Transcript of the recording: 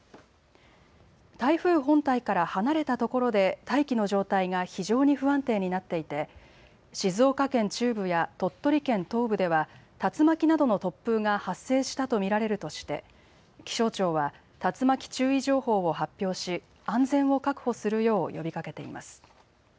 台風本体から離れたところで大気の状態が非常に不安定になっていて静岡県中部や鳥取県東部では竜巻などの突風が発生したと見られるとして気象庁は竜巻注意情報を発表し安全を確保するよう呼びかけています。